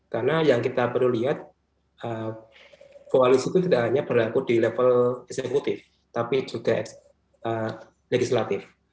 karena yang kita perlu lihat koalisi itu tidak hanya berlaku di level eksekutif tapi juga legislatif